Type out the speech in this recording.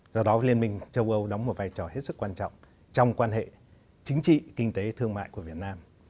do đó liên minh châu âu đóng một vai trò hết sức quan trọng trong quan hệ chính trị kinh tế thương mại của việt nam